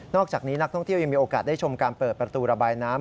อกจากนี้นักท่องเที่ยวยังมีโอกาสได้ชมการเปิดประตูระบายน้ำ